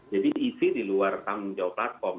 jadi isi di luar tanggung jawab platform